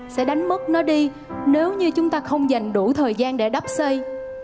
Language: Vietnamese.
sẽ đánh mất nó đi nếu như chúng ta không dành đủ thời gian để đắp xây